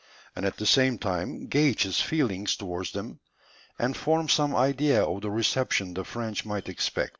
and at the same time gauge his feelings towards them, and form some idea of the reception the French might expect.